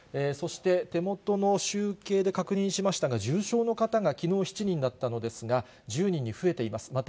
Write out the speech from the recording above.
そして手元の集計で確認しましたが、重症の方がきのう７人だったのですが、１０人に増えています。